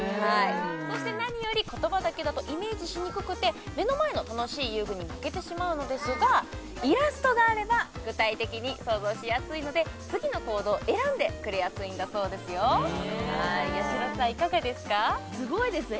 そして何より言葉だけだとイメージしにくくて目の前の楽しい遊具に負けてしまうのですがイラストがあれば具体的に想像しやすいので次の行動を選んでくれやすいんだそうですよやしろさんいかがですかすごいですね